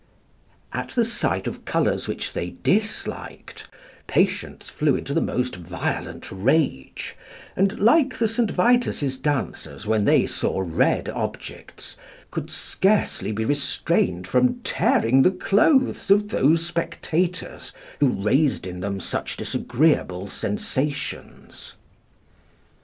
At the sight of colours which they disliked, patients flew into the most violent rage, and, like the St. Vitus's dancers when they saw red objects, could scarcely be restrained from tearing the clothes of those spectators who raised in them such disagreeable sensations.